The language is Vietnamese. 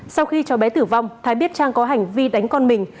sau khi cháu bé tử vong thái biết trang có hành vi đánh con mình